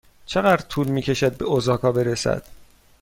چقدر طول می کشد به اوساکا برسد؟